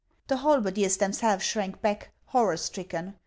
The halberdiers themselves shrank back, horror stricken.